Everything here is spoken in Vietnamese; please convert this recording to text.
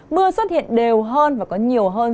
mưa xuất hiện đều hơn và có nhiều hơn